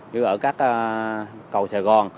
như ở các cầu sài gòn